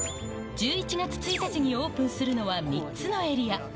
１１月１日にオープンするのは３つのエリア。